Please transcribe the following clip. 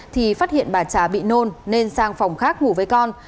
thì phát hiện bà trà bị nôn nên sang phòng khác ngủ với con